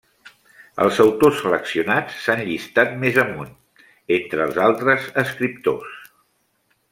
Els autors seleccionats s'han llistat més amunt, entre els altres escriptors.